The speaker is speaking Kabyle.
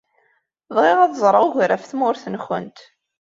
Bɣiɣ ad ẓṛeɣ ugar ɣef tmurt-nkent.